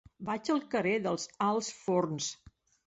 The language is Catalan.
Vaig al carrer dels Alts Forns.